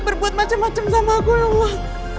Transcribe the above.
berbuat macam macam sama aku ya allah